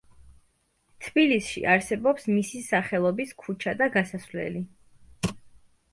თბილისში არსებობს მისი სახელობის ქუჩა და გასასვლელი.